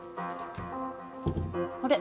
あれ？